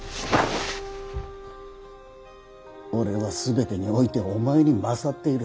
俺は全てにおいてお前に勝っている。